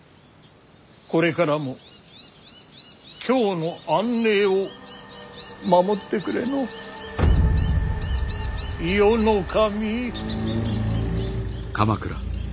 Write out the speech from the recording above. これからも京の安寧を守ってくれの伊予守。